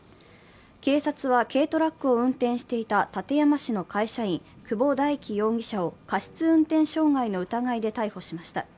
警察は、軽トラックを運転していた館山市の会社員、久保田大貴容疑者を過失運転傷害の疑いで逮捕しました。